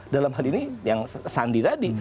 dalam hal ini yang sandi tadi